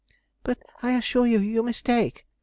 'But, I assure you, you mistake!'